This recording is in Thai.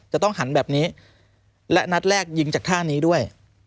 จะต้องหันแบบนี้และนัดแรกยิงจากท่านี้ด้วย